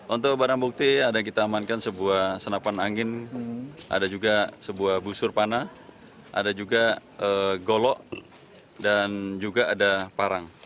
untuk barang bukti ada yang kita amankan sebuah senapan angin ada juga sebuah busur panah ada juga golok dan juga ada parang